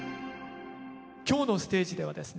今日のステージではですね